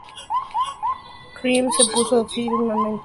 Wright se opuso firmemente al sufragio femenino.